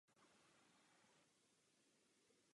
V katastru obce jsou také řazeny ovocné sady.